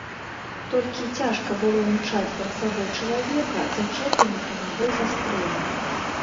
Толькі цяжка было імчаць пад сабой чалавека, зачэпленага нагой за стрэмя.